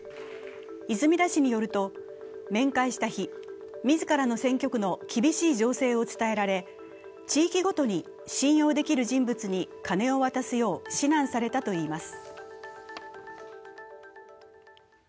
泉田氏によると面会した日、自らの選挙区の厳しい情勢を伝えられ、地域ごとに信用できる人物に金を渡すよう指南されたといいます。